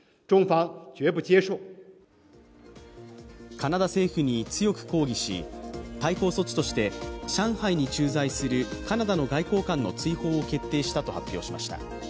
カナダ政府に強く抗議し、対抗措置として上海に駐在するカナダの外交官の追放を決定したと発表しました。